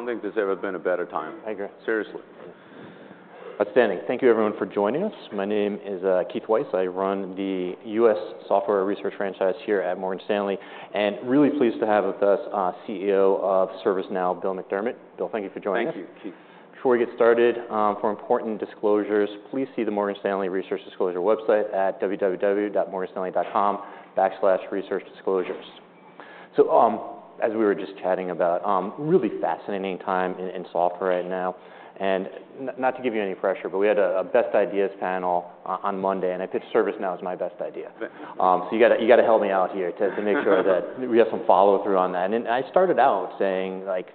I don't think there's ever been a better time. I agree. Seriously. Outstanding. Thank you everyone for joining us. My name is Keith Weiss. I run the U.S. Software Research Franchise here at Morgan Stanley, and really pleased to have with us, CEO of ServiceNow, Bill McDermott. Bill, thank you for joining us. Thank you, Keith. Before we get started, for important disclosures, please see the Morgan Stanley Resource Disclosure website at www.morganstanley.com/researchdisclosures. As we were just chatting about, really fascinating time in software right now, and not to give you any pressure, but we had a best ideas panel on Monday, and I picked ServiceNow as my best idea. Right. You gotta, you gotta help me out here to make sure that we have some follow-through on that. I started out saying, like,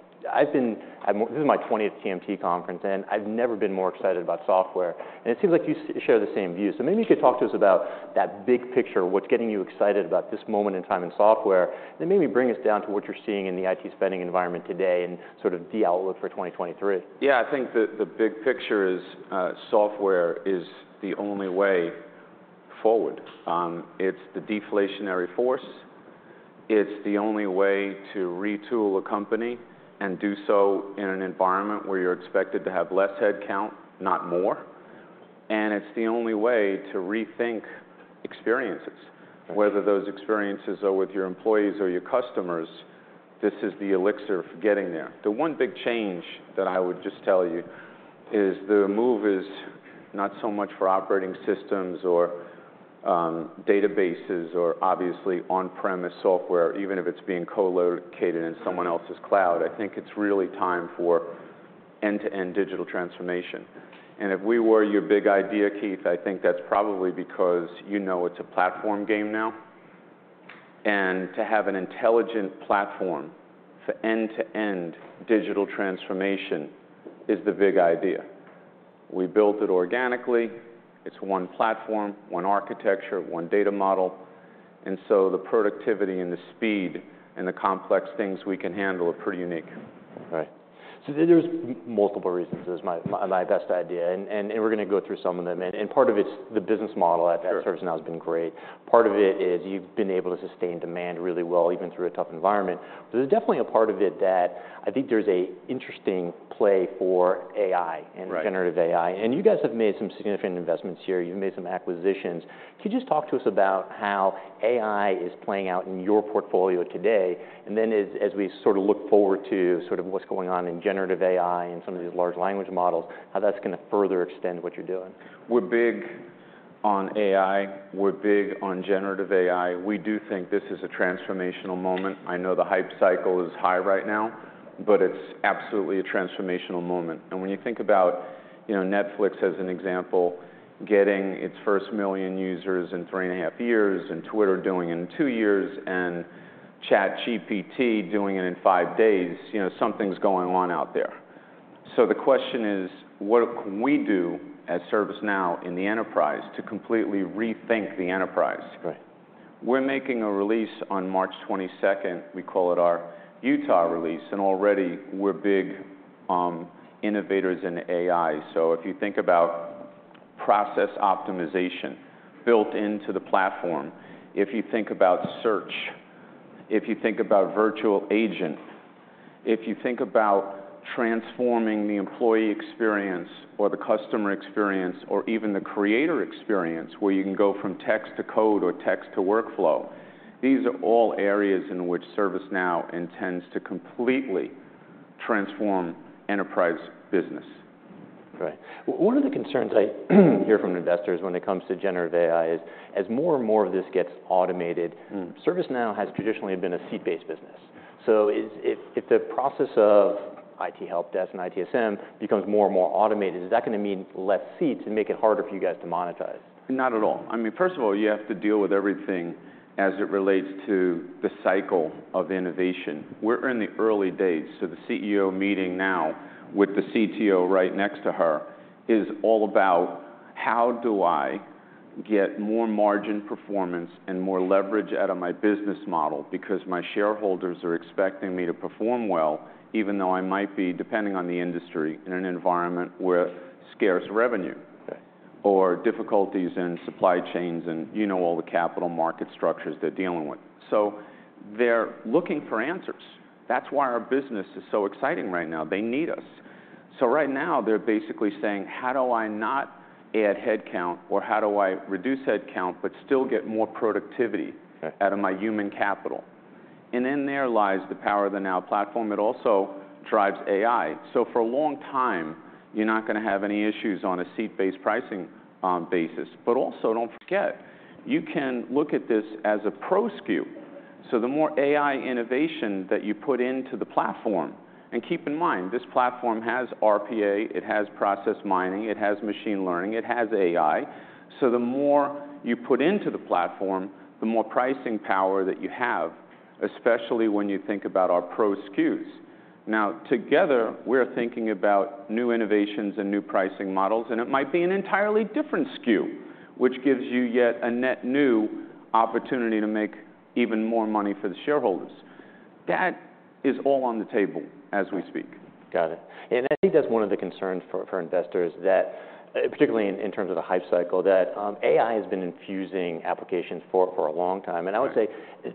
"This is my 20th TMT conference, and I've never been more excited about software." It seems like you share the same view. Maybe you could talk to us about that big picture, what's getting you excited about this moment in time in software, and maybe bring us down to what you're seeing in the IT spending environment today and sort of the outlook for 2023. I think the big picture is software is the only way forward. It's the deflationary force, it's the only way to retool a company and do so in an environment where you're expected to have less head count, not more, and it's the only way to rethink experiences. Okay. Whether those experiences are with your employees or your customers, this is the elixir for getting there. The one big change that I would just tell you is the move is not so much for operating systems or databases or obviously on-premise software, even if it's being co-located in someone else's cloud. I think it's really time for end-to-end digital transformation. If we were your big idea, Keith, I think that's probably because you know it's a platform game now. To have an intelligent platform for end-to-end digital transformation is the big idea. We built it organically. It's one platform, one architecture, one data model, and so the productivity and the speed and the complex things we can handle are pretty unique. Right. There's multiple reasons it was my best idea, and we're gonna go through some of them. Part of it's the business model. Sure. ServiceNow has been great. Part of it is you've been able to sustain demand really well, even through a tough environment. There's definitely a part of it that I think there's a interesting play for AI. Right. And generative AI. You guys have made some significant investments here. You've made some acquisitions. Could you just talk to us about how AI is playing out in your portfolio today, and then as we sort of look forward to what's going on in generative AI and some of these large language models, how that's gonna further extend what you're doing? We're big on AI. We're big on generative AI. We do think this is a transformational moment. I know the hype cycle is high right now, but it's absolutely a transformational moment. When you think about, you know, Netflix as an example, getting its first million users in 3.5 years, and Twitter doing it in two years, and ChatGPT doing it in five days, you know, something's going on out there. The question is, what can we do at ServiceNow in the enterprise to completely rethink the enterprise? Right. We're making a release on March 22nd. We call it our Utah release, and already we're big innovators in AI. If you think about process optimization built into the platform, if you think about search, if you think about Virtual Agent, if you think about transforming the employee experience or the customer experience or even the creator experience, where you can go from text to code or text to workflow, these are all areas in which ServiceNow intends to completely transform enterprise business. Right. One of the concerns I hear from investors when it comes to generative AI is, as more and more of this gets automated. Mm. ServiceNow has traditionally been a seat-based business. If the process of IT helpdesk and ITSM becomes more and more automated, is that gonna mean less seats and make it harder for you guys to monetize? Not at all. I mean, first of all, you have to deal with everything as it relates to the cycle of innovation. We're in the early days. The CEO meeting now with the CTO right next to her is all about, how do I get more margin performance and more leverage out of my business model? My shareholders are expecting me to perform well, even though I might be, depending on the industry, in an environment with scarce revenue. Okay. Difficulties in supply chains, and you know all the capital market structures they're dealing with. They're looking for answers. That's why our business is so exciting right now. They need us. Right now, they're basically saying, "How do I not add head count," or, "How do I reduce head count but still get more productivity. Okay. Out of my human capital. In there lies the power of the Now Platform. It also drives AI. For a long time, you're not gonna have any issues on a seat-based pricing basis. Also, don't forget, you can look at this as a Pro SKU. The more AI innovation that you put into the platform. Keep in mind, this platform has RPA, it has process mining, it has machine learning, it has AI. The more you put into the platform, the more pricing power that you have, especially when you think about our Pro SKUs. Together, we're thinking about new innovations and new pricing models, and it might be an entirely different SKU, which gives you yet a net new opportunity to make even more money for the shareholders. That is all on the table as we speak. Got it. I think that's one of the concerns for investors that, particularly in terms of the hype cycle, that AI has been infusing applications for a long time. Right. I would say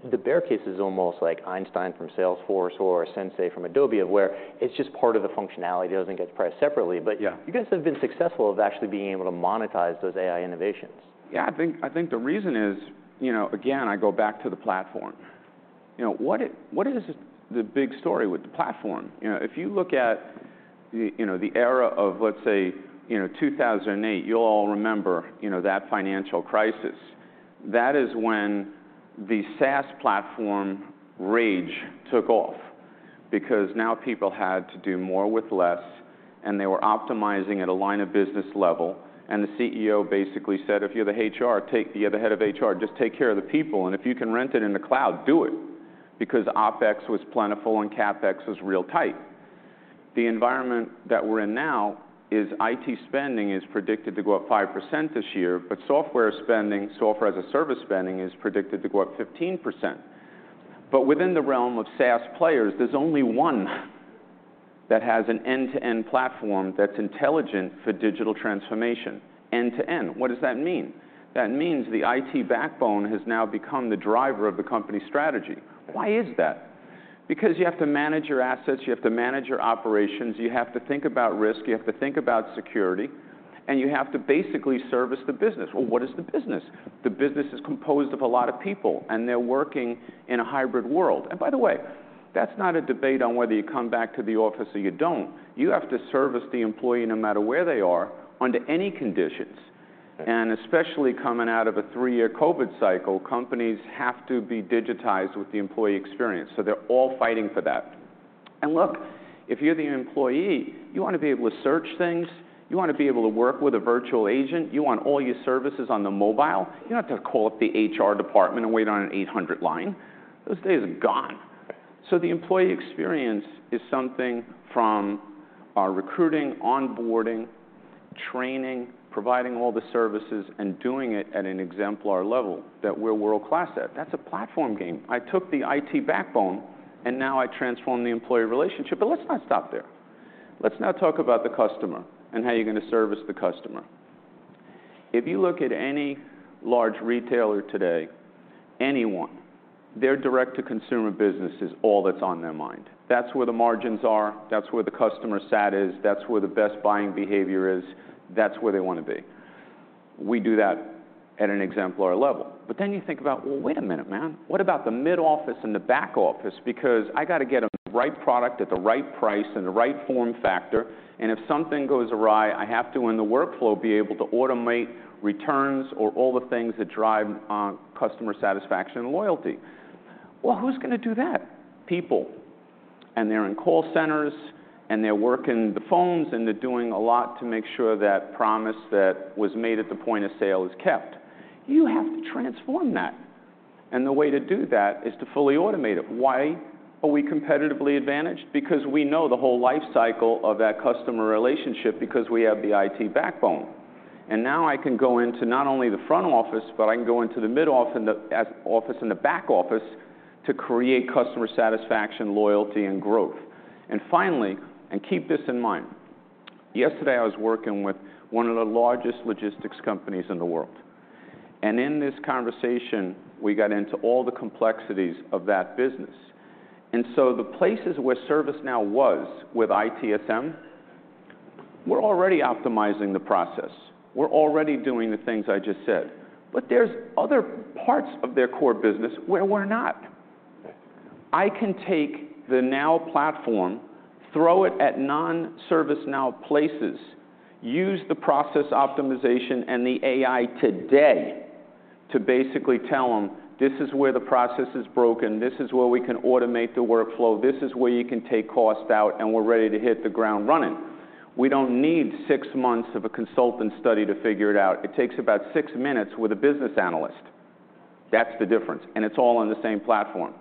the bear case is almost like Einstein from Salesforce or Sensei from Adobe, where it's just part of the functionality, doesn't get priced separately. Yeah. You guys have been successful of actually being able to monetize those AI innovations. Yeah, I think the reason is, you know, again, I go back to the platform. You know, what is the big story with the platform? You know, if you look at the, you know, the era of, let's say, you know, 2008. You all remember, you know, that financial crisis. That is when the SaaS platform rage took off because now people had to do more with less, and they were optimizing at a line of business level, and the CEO basically said, "If you're the HR, You're the head of HR, just take care of the people, and if you can rent it in the cloud, do it," because OpEx was plentiful and CapEx was real tight. The environment that we're in now is IT spending is predicted to go up 5% this year, software spending, software as a service spending, is predicted to go up 15%. Within the realm of SaaS players, there's only one that has an end-to-end platform that's intelligent for digital transformation. End-to-end, what does that mean? That means the IT backbone has now become the driver of the company strategy. Why is that? Because you have to manage your assets, you have to manage your operations, you have to think about risk, you have to think about security, and you have to basically service the business. Well, what is the business? The business is composed of a lot of people, and they're working in a hybrid world. By the way, that's not a debate on whether you come back to the office or you don't. You have to service the employee no matter where they are under any conditions. Yeah. Especially coming out of a three-year COVID cycle, companies have to be digitized with the employee experience, so they're all fighting for that. Look, if you're the employee, you wanna be able to search things, you wanna be able to work with a Virtual Agent, you want all your services on the mobile. You don't have to call up the HR department and wait on an 800 line. Those days are gone. Yeah. The employee experience is something from our recruiting, onboarding, training, providing all the services, and doing it at an exemplar level that we're world-class at. That's a platform game. I took the IT backbone, and now I transform the employee relationship. Let's not stop there. Let's now talk about the customer and how you're going to service the customer. If you look at any large retailer today, anyone, their direct to consumer business is all that's on their mind. That's where the margins are, that's where the customer sat is, that's where the best buying behavior is, that's where they want to be. We do that at an exemplar level. You think about, "Well, wait a minute, man. What about the mid-office and the back office?". I gotta get a right product at the right price and the right form factor, and if something goes awry, I have to, in the workflow, be able to automate returns or all the things that drive customer satisfaction and loyalty. Who's gonna do that? People, and they're in call centers, and they're working the phones, and they're doing a lot to make sure that promise that was made at the point-of-sale is kept. You have to transform that, and the way to do that is to fully automate it. Why are we competitively advantaged? We know the whole life cycle of that customer relationship because we have the IT backbone. Now I can go into not only the front office, but I can go into the mid-office and the office and the back office to create customer satisfaction, loyalty, and growth. Finally, and keep this in mind, yesterday I was working with one of the largest logistics companies in the world, and in this conversation, we got into all the complexities of that business. The places where ServiceNow was with ITSM, we're already optimizing the process. We're already doing the things I just said. There's other parts of their core business where we're not. Yeah. I can take the Now Platform, throw it at non-ServiceNow places, use the process optimization and the AI today to basically tell them, "This is where the process is broken. This is where we can automate the workflow. This is where you can take cost out, and we're ready to hit the ground running." We don't need six months of a consultant study to figure it out. It takes about six minutes with a business analyst. That's the difference, and it's all on the same platform.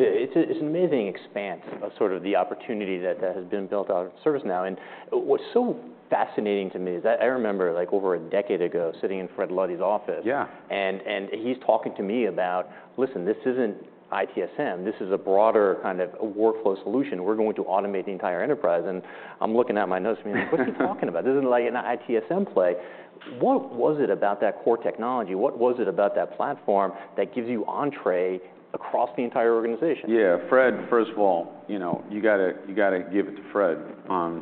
It's an amazing expanse of sort of the opportunity that has been built out of ServiceNow. What's so fascinating to me is I remember, like, over a decade ago, sitting in Fred Luddy's office. Yeah. And he's talking to me about, "Listen, this isn't ITSM. This is a broader kind of workflow solution. We're going to automate the entire enterprise." I'm looking at my notes, I mean, what's he talking about? This isn't like an ITSM play. What was it about that core technology? What was it about that platform that gives you entree across the entire organization? Yeah. Fred, first of all, you know, you gotta give it to Fred.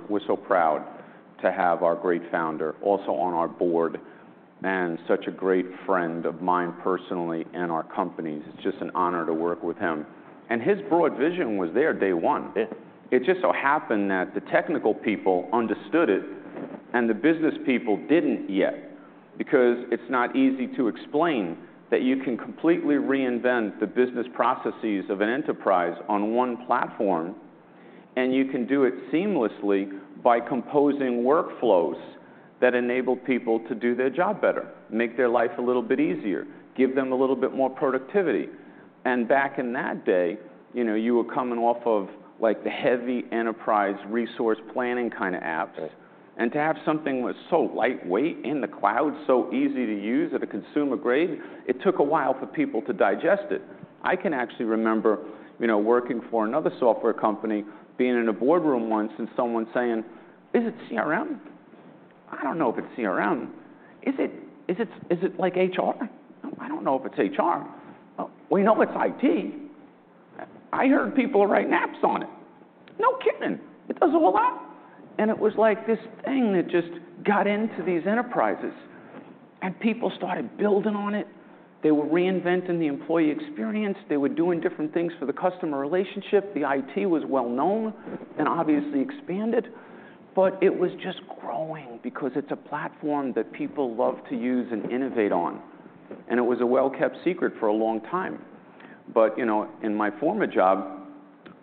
We're so proud to have our great founder also on our board, and such a great friend of mine personally and our company's. It's just an honor to work with him. His broad vision was there day one. Yeah. It just so happened that the technical people understood it and the business people didn't yet, because it's not easy to explain that you can completely reinvent the business processes of an enterprise on one platform, and you can do it seamlessly by composing workflows that enable people to do their job better, make their life a little bit easier, give them a little bit more productivity. Back in that day, you know, you were coming off of, like, the heavy enterprise resource planning kind of apps. Right. To have something that's so lightweight, in the cloud, so easy to use, at a consumer grade, it took a while for people to digest it. I can actually remember, you know, working for another software company, being in a boardroom once, and someone saying, is it CRM? I don't know if it's CRM. Is it like HR? No, I don't know if it's HR. We know it's IT. I heard people write apps on it. No kidding. It does all that? It was, like, this thing that just got into these enterprises, and people started building on it. They were reinventing the employee experience. They were doing different things for the customer relationship. The IT was well known and obviously expanded. It was just growing because it's a platform that people love to use and innovate on, and it was a well-kept secret for a long time. You know, in my former job,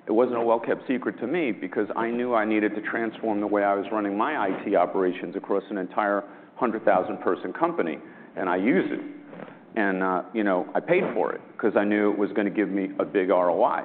it wasn't a well-kept secret to me because I knew I needed to transform the way I was running my IT operations across an entire 100,000 person company, and I used it. You know, I paid for it 'cause I knew it was gonna give me a big ROI.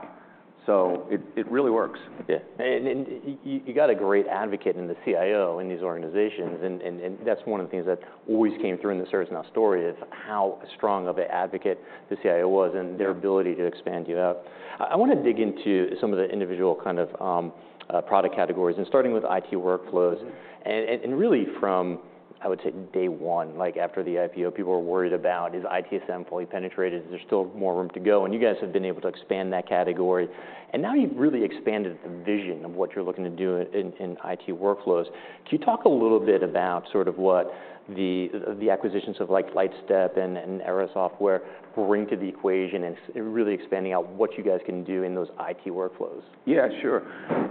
It really works. Yeah. You, you got a great advocate in the CIO in these organizations, and that's one of the things that always came through in the ServiceNow story is how strong of a advocate the CIO was and their ability to expand you out. I wanna dig into some of the individual kind of product categories and starting with IT workflows and really from, I would say, day one, like, after the IPO, people were worried about is ITSM fully penetrated? Is there still more room to go? You guys have been able to expand that category, and now you've really expanded the vision of what you're looking to do in IT workflows. Can you talk a little bit about sort of what the acquisitions of, like, Lightstep and Era Software bring to the equation and really expanding out what you guys can do in those IT workflows? Yeah, sure.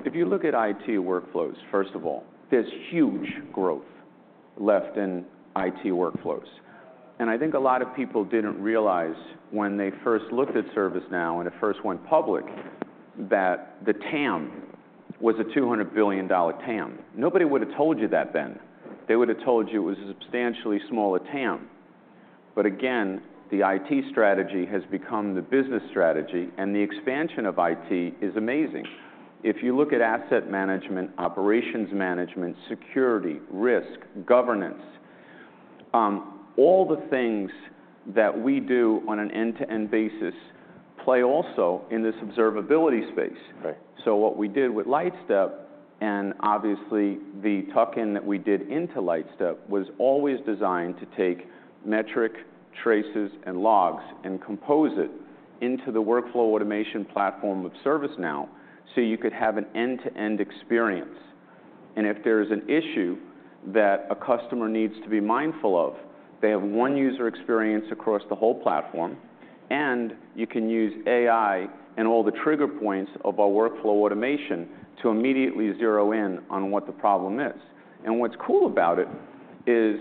If you look at IT workflows, first of all, there's huge growth left in IT workflows, and I think a lot of people didn't realize when they first looked at ServiceNow when it first went public that the TAM was a $200 billion TAM. Nobody would've told you that then. They would've told you it was a substantially smaller TAM. Again, the IT strategy has become the business strategy, and the expansion of IT is amazing. If you look at asset management, operations management, security, risk, governance, all the things that we do on an end-to-end basis play also in this observability space. Right. What we did with Lightstep, and obviously the tuck-in that we did into Lightstep, was always designed to take metrics, traces, and logs and compose it into the workflow automation platform of ServiceNow so you could have an end-to-end experience. If there's an issue that a customer needs to be mindful of, they have one user experience across the whole platform, and you can use AI and all the trigger points of our workflow automation to immediately zero in on what the problem is. What's cool about it is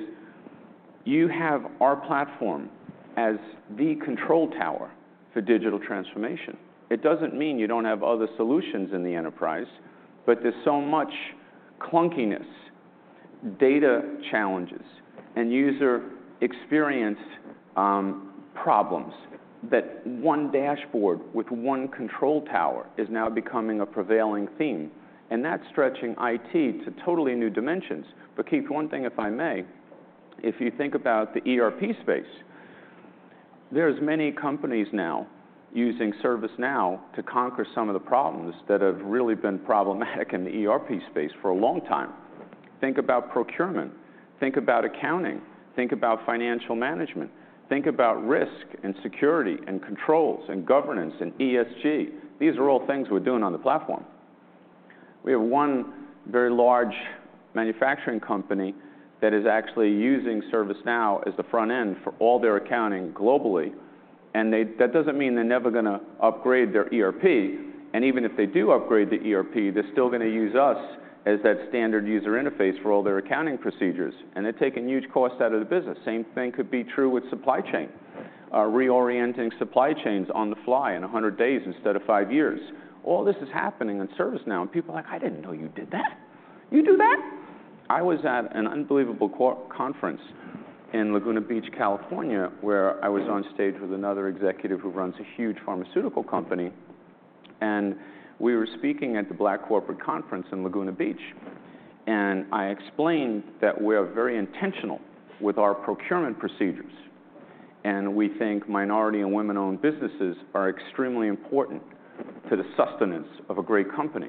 you have our platform as the control tower for digital transformation. It doesn't mean you don't have other solutions in the enterprise, but there's so much clunkiness, data challenges, and user experience problems that one dashboard with one control tower is now becoming a prevailing theme, and that's stretching IT to totally new dimensions. Keith, one thing, if I may, if you think about the ERP space, there's many companies now using ServiceNow to conquer some of the problems that have really been problematic in the ERP space for a long time. Think about procurement. Think about accounting. Think about financial management. Think about risk and security and controls and governance and ESG. These are all things we're doing on the platform. We have one very large manufacturing company that is actually using ServiceNow as the front end for all their accounting globally, and that doesn't mean they're never gonna upgrade their ERP, and even if they do upgrade the ERP, they're still gonna use us as that standard user interface for all their accounting procedures, and they're taking huge costs out of the business. Same thing could be true with supply chain. Right. Reorienting supply chains on the fly in 100 days instead of five years. All this is happening in ServiceNow, and people are like, "I didn't know you did that. You do that?" I was at an unbelievable conference in Laguna Beach, California, where I was on stage with another executive who runs a huge pharmaceutical company, and we were speaking at the Black Corporate Conference in Laguna Beach. I explained that we're very intentional with our procurement procedures, and we think minority and women-owned businesses are extremely important to the sustenance of a great company.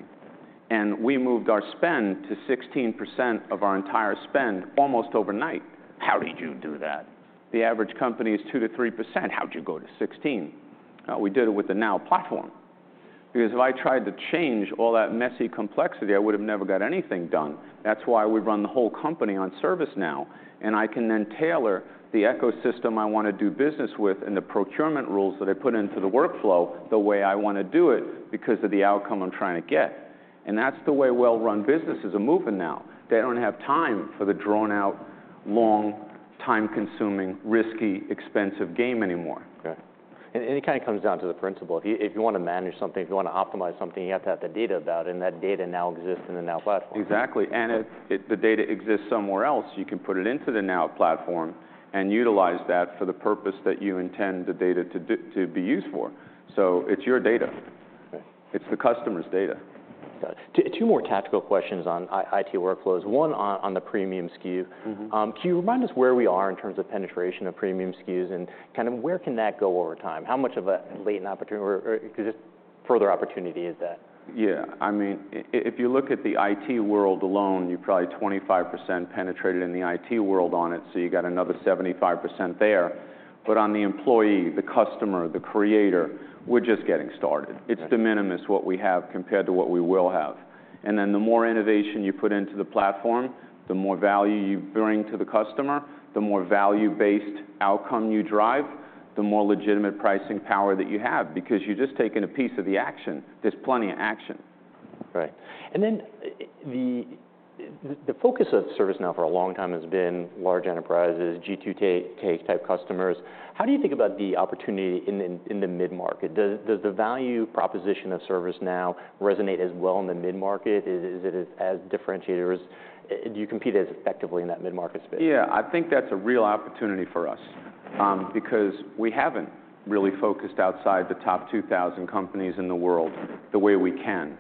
We moved our spend to 16% of our entire spend almost overnight. "How did you do that? The average company is 2%-3%. How'd you go to 16?" We did it with the Now Platform. If I tried to change all that messy complexity, I would've never got anything done. That's why we run the whole company on ServiceNow. I can then tailor the ecosystem I wanna do business with and the procurement rules that I put into the workflow the way I wanna do it because of the outcome I'm trying to get. That's the way well-run businesses are moving now. They don't have time for the drawn-out, long, time-consuming, risky, expensive game anymore. Okay. It kinda comes down to the principle. If you, if you wanna manage something, if you wanna optimize something, you have to have the data about it, and that data now exists in the Now Platform. Exactly. If the data exists somewhere else, you can put it into the Now Platform and utilize that for the purpose that you intend the data to be used for. It's your data. Right. It's the customer's data. Got it. Two more tactical questions on IT workflows. One on the premium SKU. Mm-hmm. Can you remind us where we are in terms of penetration of premium SKUs and kind of where can that go over time? How much of a latent opportunity or, 'cause it's further opportunity is that? Yeah, I mean, if you look at the IT world alone, you're probably 25% penetrated in the IT world on it, you got another 75% there. On the employee, the customer, the creator, we're just getting started. Okay. It's de minimis what we have compared to what we will have. The more innovation you put into the platform, the more value you bring to the customer, the more value-based outcome you drive, the more legitimate pricing power that you have, because you're just taking a piece of the action. There's plenty of action. Right. The focus of ServiceNow for a long time has been large enterprises, G2K type customers. How do you think about the opportunity in the mid-market? Does the value proposition of ServiceNow resonate as well in the mid-market? Is it as differentiator? Do you compete as effectively in that mid-market space? Yeah. I think that's a real opportunity for us because we haven't really focused outside the top 2,000 companies in the world the way we can.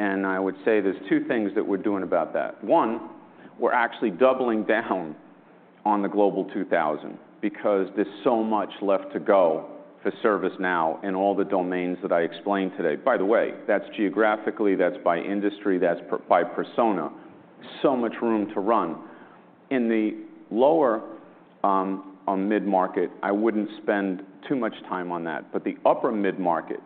I would say there's two things that we're doing about that. One, we're actually doubling down on the Global 2000 because there's so much left to go for ServiceNow in all the domains that I explained today. By the way, that's geographically, that's by industry, that's by persona. Much room to run. In the lower, or mid-market, I wouldn't spend too much time on that, but the upper mid-market,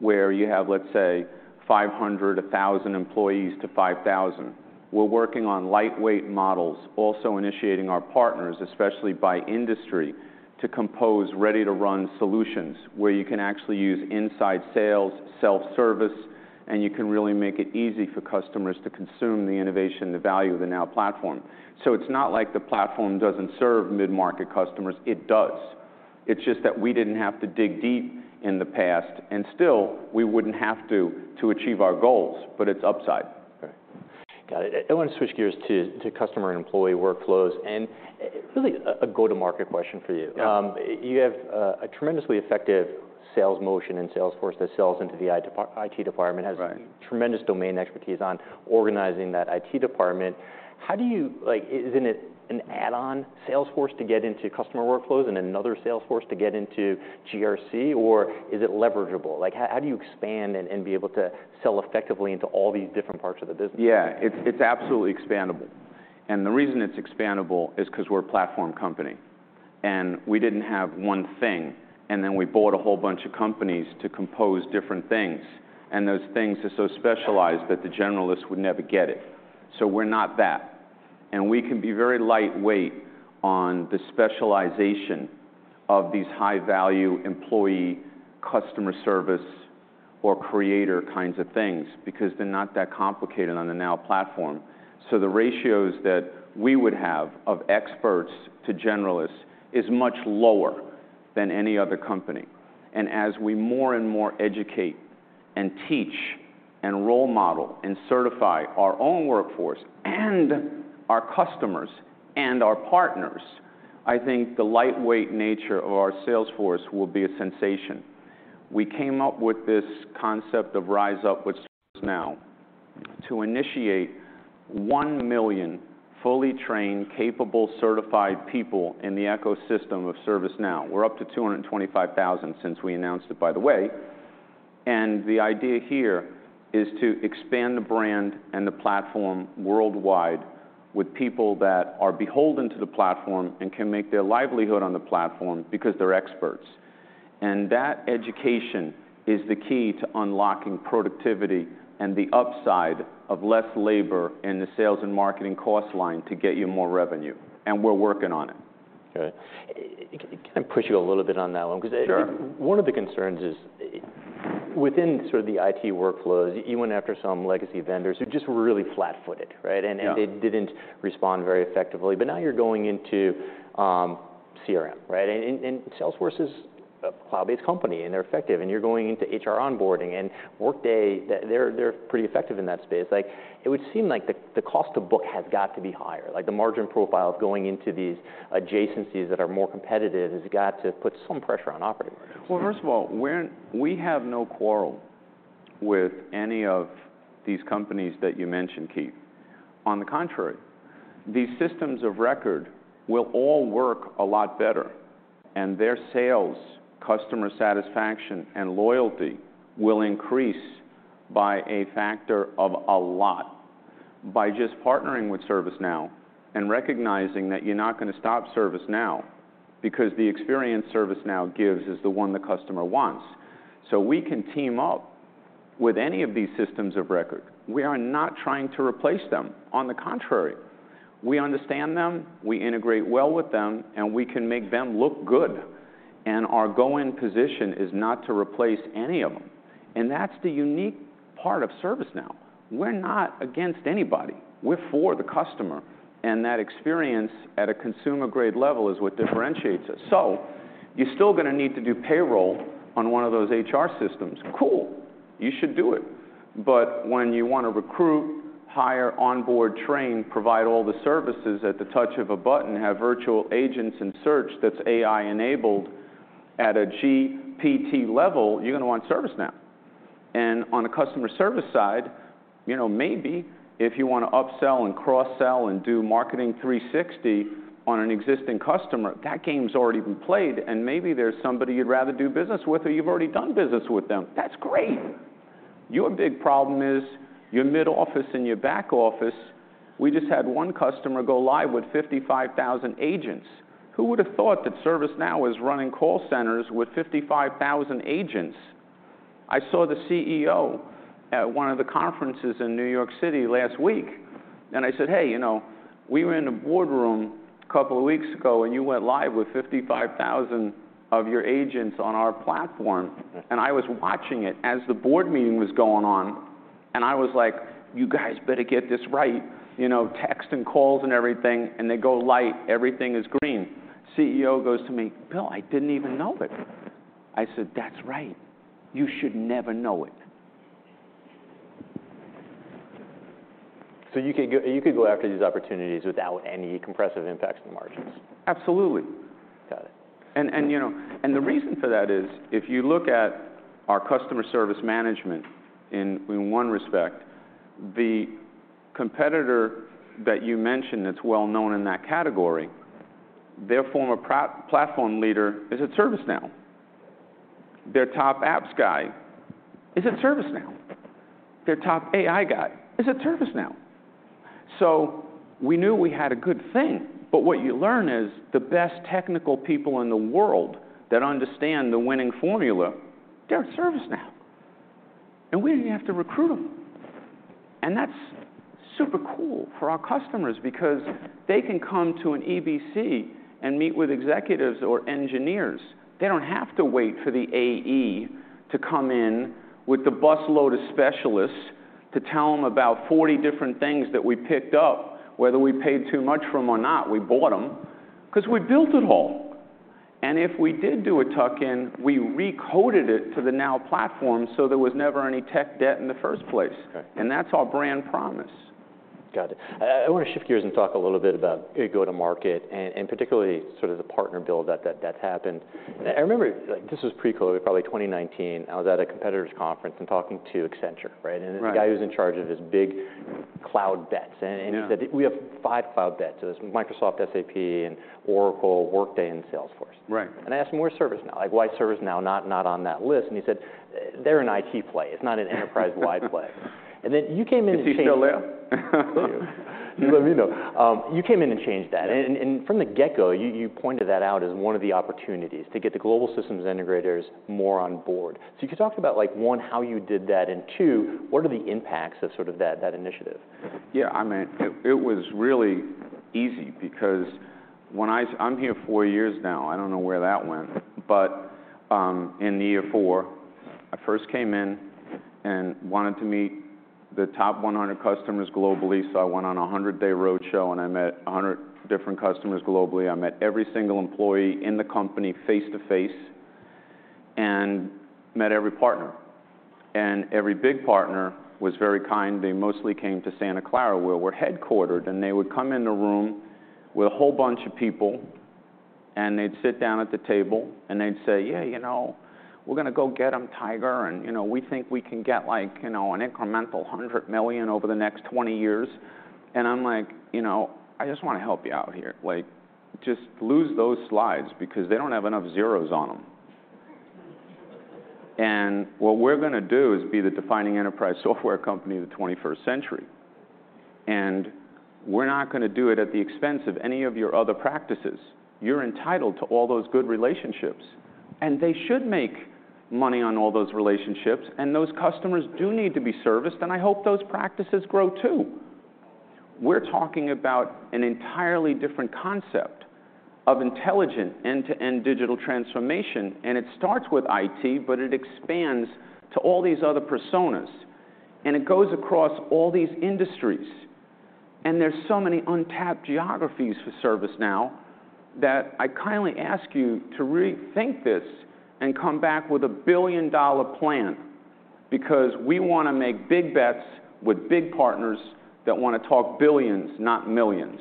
where you have, let's say, 500, 1,000 employees to 5,000, we're working on lightweight models, also initiating our partners, especially by industry, to compose ready-to-run solutions where you can actually use inside sales, self-service, and you can really make it easy for customers to consume the innovation, the value of the Now Platform. So it's not like the Platform doesn't serve mid-market customers. It does. It's just that we didn't have to dig deep in the past, and still, we wouldn't have to achieve our goals, but it's upside. Okay. Got it. I wanna switch gears to customer and employee workflows, and really a go-to-market question for you. Yeah. You have a tremendously effective sales motion and sales force that sells into the IT department. Right. Has tremendous domain expertise on organizing that IT department. Like, isn't it an add-on sales force to get into customer workflows and another sales force to get into GRC, or is it leverageable? Like, how do you expand and be able to sell effectively into all these different parts of the business? Yeah. It's absolutely expandable. The reason it's expandable is 'cause we're a platform company. We didn't have one thing, and then we bought a whole bunch of companies to compose different things, and those things are so specialized that the generalists would never get it. We're not that, and we can be very lightweight on the specialization of these high-value employee-customer service or creator kinds of things because they're not that complicated on the Now Platform. The ratios that we would have of experts to generalists is much lower than any other company. As we more and more educate and teach and role model and certify our own workforce and our customers and our partners, I think the lightweight nature of our sales force will be a sensation. We came up with this concept of RiseUp with ServiceNow to initiate 1 million fully trained, capable, certified people in the ecosystem of ServiceNow. We're up to 225,000 since we announced it, by the way. The idea here is to expand the brand and the platform worldwide with people that are beholden to the platform and can make their livelihood on the platform because they're experts. That education is the key to unlocking productivity and the upside of less labor in the sales and marketing cost line to get you more revenue, and we're working on it. Okay. Can I push you a little bit on that one? Sure. One of the concerns is, within sort of the IT workflows, you went after some legacy vendors who just were really flat-footed, right? Yeah. They didn't respond very effectively. Now you're going into CRM, right? Salesforce is a cloud-based company, and they're effective, and you're going into HR onboarding, and Workday, they're pretty effective in that space. Like, it would seem like the cost to book has got to be higher. Like, the margin profile going into these adjacencies that are more competitive has got to put some pressure on operating margins. First of all, we have no quarrel with any of these companies that you mentioned, Keith. On the contrary, these systems of record will all work a lot better, and their sales, customer satisfaction, and loyalty will increase by a factor of a lot by just partnering with ServiceNow and recognizing that you're not gonna stop ServiceNow because the experience ServiceNow gives is the one the customer wants. We can team up with any of these systems of record. We are not trying to replace them. On the contrary, we understand them, we integrate well with them, and we can make them look good, and our go-in position is not to replace any of them, and that's the unique part of ServiceNow. We're not against anybody. We're for the customer, and that experience at a consumer-grade level is what differentiates us. You're still gonna need to do payroll on one of those HR systems. Cool. You should do it. When you wanna recruit, hire, onboard, train, provide all the services at the touch of a button, have Virtual Agents and search that's AI-enabled at a GPT level, you're gonna want ServiceNow. On a customer service side, you know, maybe if you wanna upsell and cross-sell and do marketing 360 on an existing customer, that game's already been played, and maybe there's somebody you'd rather do business with, or you've already done business with them. That's great. Your big problem is your mid-office and your back office. We just had one customer go live with 55,000 agents. Who would have thought that ServiceNow was running call centers with 55,000 agents? I saw the CEO at one of the conferences in New York City last week. I said, "Hey, you know, we were in a boardroom a couple of weeks ago, and you went live with 55,000 of your agents on our platform." I was watching it as the board meeting was going on, and I was like, "You guys better get this right." You know, text and calls and everything, and they go light, everything is green. CEO goes to me, "Bill, I didn't even know it." I said, "That's right. You should never know it. You could go after these opportunities without any compressive impacts on the margins? Absolutely. Got it. The reason for that is if you look at our Customer Service Management in one respect, the competitor that you mentioned that's well-known in that category, their former platform leader is at ServiceNow. Their top apps guy is at ServiceNow. Their top AI guy is at ServiceNow. We knew we had a good thing, but what you learn is the best technical people in the world that understand the winning formula, they're at ServiceNow. We didn't have to recruit them. That's super cool for our customers because they can come to an EBC and meet with executives or engineers. They don't have to wait for the AE to come in with the busload of specialists to tell them about 40 different things that we picked up. Whether we paid too much for them or not, we bought them, 'cause we built it all. If we did do a tuck-in, we recoded it to the Now Platform, so there was never any tech debt in the first place. Okay. That's our brand promise. Got it. I wanna shift gears and talk a little bit about go-to-market and particularly sort of the partner build that happened. I remember, like, this was pre-COVID, probably 2019. I was at a competitor's conference and talking to Accenture, right? Right. The guy who's in charge of his big cloud bets. Yeah We have five cloud bets. There's Microsoft, SAP, and Oracle, Workday, and Salesforce. Right. I asked him, "Where's ServiceNow? Like, why is ServiceNow not on that list?" He said, "They're an IT play. It's not an enterprise-wide play." You came in and changed. Is he still there? You let me know. You came in and changed that. From the get-go, you pointed that out as one of the opportunities, to get the global systems integrators more on board. If you could talk about, like, one, how you did that, and two, what are the impacts of sort of that initiative? Yeah, I mean, it was really easy because when I'm here four years now. I don't know where that went. In year four, I first came in and wanted to meet the top 100 customers globally, so I went on a 100-day roadshow, and I met 100 different customers globally. I met every single employee in the company face to face and met every partner. Every big partner was very kind. They mostly came to Santa Clara, where we're headquartered. They would come in the room with a whole bunch of people, and they'd sit down at the table, and they'd say, "Yeah, you know, we're gonna go get 'em, tiger, and, you know, we think we can get, like, you know, an incremental $100 million over the next 20 years." I'm like, "You know, I just wanna help you out here. Like, just lose those slides because they don't have enough zeros on them." What we're gonna do is be the defining enterprise software company in the 21st century, and we're not gonna do it at the expense of any of your other practices. You're entitled to all those good relationships, and they should make money on all those relationships, and those customers do need to be serviced, and I hope those practices grow, too. We're talking about an entirely different concept of intelligent end-to-end digital transformation, and it starts with IT, but it expands to all these other personas, and it goes across all these industries, and there's so many untapped geographies for ServiceNow that I kindly ask you to rethink this and come back with a billion-dollar plan because we wanna make big bets with big partners that wanna talk billions, not millions.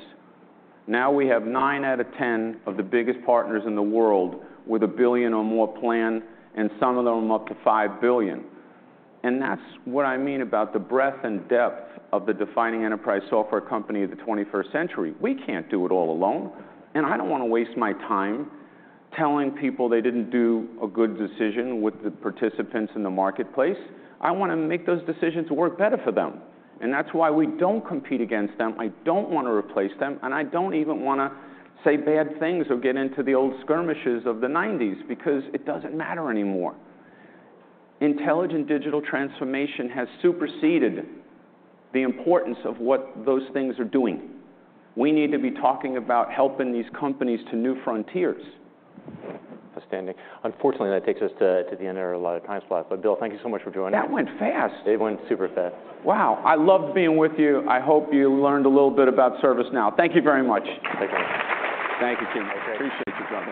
Now we have nine out of 10 of the biggest partners in the world with a $1 billion or more plan, and some of them up to $5 billion. That's what I mean about the breadth and depth of the defining enterprise software company of the 21st century. We can't do it all alone, and I don't wanna waste my time telling people they didn't do a good decision with the participants in the marketplace. I wanna make those decisions work better for them. That's why we don't compete against them. I don't wanna replace them. I don't even wanna say bad things or get into the old skirmishes of the 90s because it doesn't matter anymore. Intelligent digital transformation has superseded the importance of what those things are doing. We need to be talking about helping these companies to new frontiers. Outstanding. Unfortunately, that takes us to the end of our allotted time slot. Bill, thank you so much for joining me. That went fast. It went super fast. Wow. I loved being with you. I hope you learned a little bit about ServiceNow. Thank you very much. Take care. Thank you, team. Okay. Appreciate you coming.